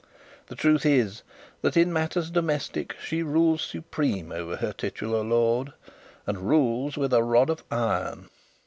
The truth is that in matters domestic she rules supreme over her titular lord, and rules with a rod of iron.